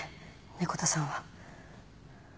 猫田さんは。